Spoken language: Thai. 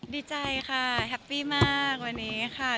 ดีใจค่ะแฮปปี้มากวันนี้ค่ะ